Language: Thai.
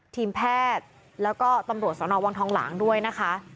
ทีมแพทย์แล้วก็ตำรวจสนวังทองหลางด้วยนะคะ